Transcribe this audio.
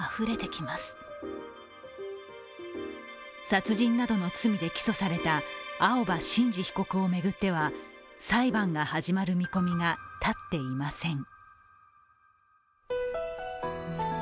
殺人などの罪で起訴された青葉真司被告を巡っては裁判が始まる見込みが立っていません。